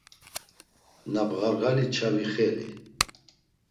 Na bğarğalitşa vixeli.